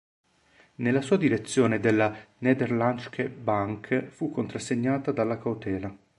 La sua direzione della Nederlandsche Bank fu contrassegnata dalla cautela.